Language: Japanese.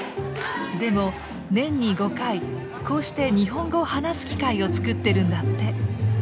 でも年に５回こうして日本語を話す機会を作ってるんだって。